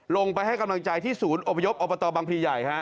ลงไปให้กำลังใจที่ศูนย์อบยบอบตบังพิไย